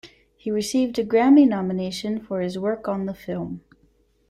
He received a Grammy nomination for his work on the film.